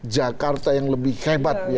jakarta yang lebih hebat